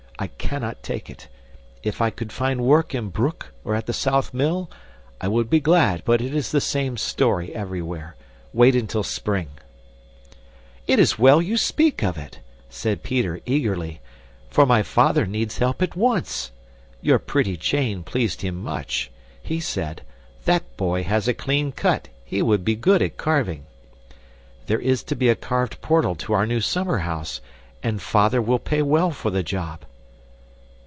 I cannot take it. If I could find work in Broek or at the South Mill, I would be glad, but it is the same story everywhere 'Wait until spring'". "It is well you speak of it," said Peter eagerly, "for my father needs help at once. Your pretty chain pleased him much. He said, 'That boy has a clean cut; he would be good at carving.' There is to be a carved portal to our new summer house, and father will pay well for the job."